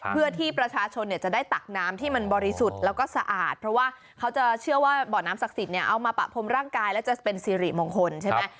เพื่อที่ประชาชนเนี่ยจะได้ตักน้ำที่มันบริสุทธิ์แล้วก็สะอาดเพราะว่าเขาจะเชื่อว่าบ่อน้ำศักดิ์สิทธิ์เอามาปะพรมร่างกายแล้วจะเป็นสิริมงคลใช่ไหม